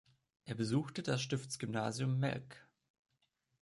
Er besuchte das Stiftsgymnasium Melk.